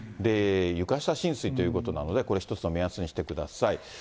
床下浸水ということなので、これ、１つの目安にしてください。